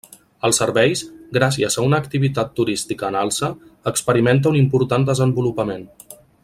Els serveis, gràcies a una activitat turística en alça, experimenta un important desenvolupament.